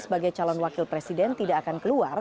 sebagai calon wakil presiden tidak akan keluar